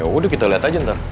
ya udah kita liat aja ntar